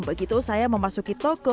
begitu saya memasuki toko yang terkenal